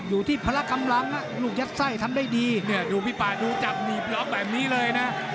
พละกำลังลูกยัดไส้ทำได้ดีเนี่ยดูพี่ป่าดูจับหนีบล็อกแบบนี้เลยนะ